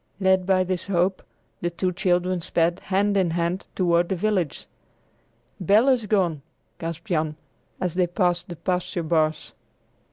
Led by this hope, the two children sped, hand in hand, toward the village. "Bel is gone!" gasped Jan, as they passed the pasture bars.